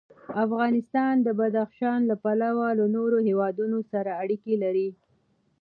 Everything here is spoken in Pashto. افغانستان د بدخشان له پلوه له نورو هېوادونو سره اړیکې لري.